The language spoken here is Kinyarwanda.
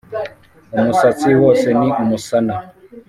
Umusatsi wose ni umusana,